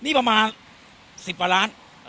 นี่ประมาณ๑๐ประลาน